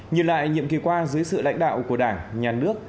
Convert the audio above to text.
nhìn lại nhiệm kỳ qua dưới sự lãnh đạo của đảng nhà nước